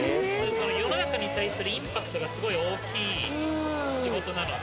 世の中に対するインパクトがすごい大きい仕事なので。